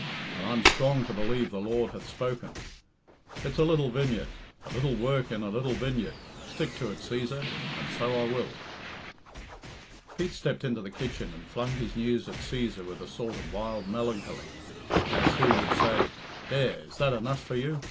And I'm strong to believe the Lord hath spoken. 'It's a little vineyard a little work in a little vineyard. Stick to it, Cæsar,' and so I will." Pete stepped into the kitchen and flung his news at Cæsar with a sort of wild melancholy, as who would say, "There, is that enough for you?